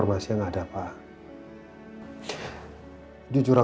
must yuk ras deren